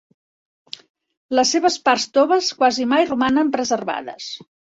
Les seves parts toves quasi mai romanen preservades.